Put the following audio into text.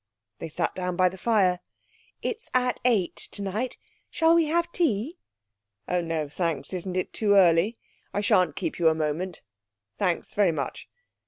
They sat down by the fire. 'It's at eight tonight. Shall we have tea?' 'Oh no, thanks; isn't it too early? I sha'n't keep you a moment. Thanks very much....